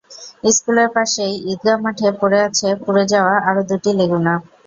স্কুলের পাশেই ঈদগাহ মাঠে পড়ে আছে পুড়ে যাওয়া আরও দুটি লেগুনা।